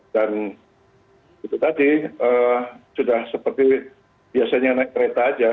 dan itu tadi sudah seperti biasanya naik kereta saja